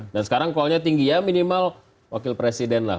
dan sekarang call nya tinggi ya minimal wakil presiden lah